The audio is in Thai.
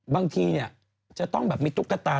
บางทีจะต้องมีตุ๊กกระตา